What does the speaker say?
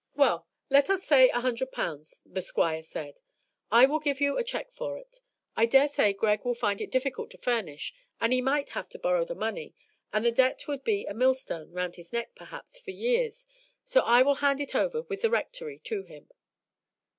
"Well, let us say a hundred pounds," the Squire said. "I will give you a check for it. I dare say Greg will find it difficult to furnish, and he might have to borrow the money, and the debt would be a millstone round his neck, perhaps, for years, so I will hand it over with the Rectory to him."